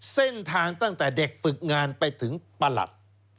เส้นทางตั้งแต่เด็กฝึกงานไปถึงประหลัด